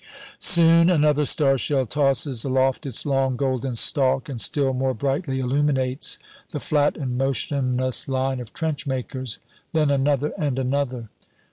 Soon another star shell tosses aloft its long golden stalk, and still more brightly illuminates the flat and motionless line of trenchmakers. Then another and another.